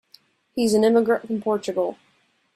He's an immigrant from Portugal.